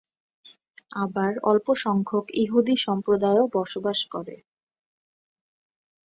আবার অল্পসংখ্যক ইহুদি সম্প্রদায়ও বসবাস করে।